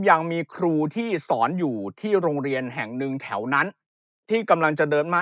ยังมีครูที่สอนอยู่ที่โรงเรียนแห่งหนึ่งแถวนั้นที่กำลังจะเดินมา